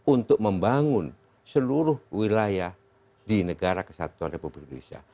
untuk membangun seluruh wilayah di negara kesatuan republik indonesia